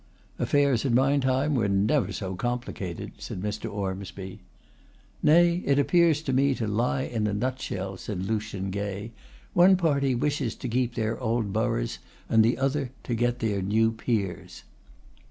'Affairs in my time were never so complicated,' said Mr. Ormsby. 'Nay, it appears to me to lie in a nutshell,' said Lucian Gay; 'one party wishes to keep their old boroughs, and the other to get their new peers.